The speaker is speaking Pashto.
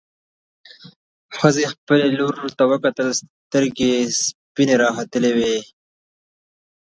ښځې خپلې لور ته وکتل، سترګې يې سپينې راختلې وې.